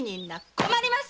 困ります！